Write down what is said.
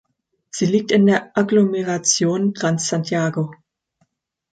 Sie liegt in der Agglomeration Gran Santiago.